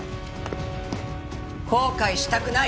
後悔したくない！